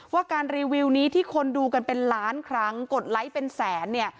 ว่าการรีวิวนี้ที่คนดูกันเป็นล้านครั้งกดไลค์เป็นแสนเนี่ย